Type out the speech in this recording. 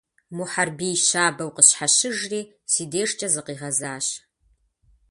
Мухьэрбий щабэу къысщхьэщыжри си дежкӀэ зыкъигъэзащ.